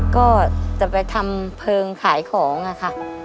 ก็จะไปทำเพลิงขายของค่ะ